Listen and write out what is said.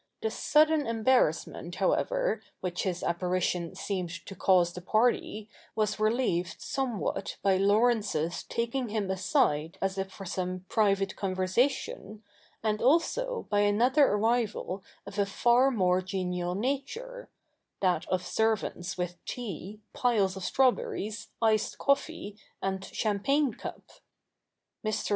The sudden embarrassment, however, which his apparition seemed to cause the party was relieved somewhat by Laurence's taking him aside as if for some private conversation, and also by another arrival of a far more genial nature — that of servants with tea, piles of strawberries, iced coffee, and champagne cup. Mr.